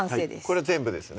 これ全部ですよね